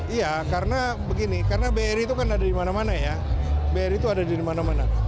iya karena begini karena bri itu kan ada di mana mana ya bri itu ada di mana mana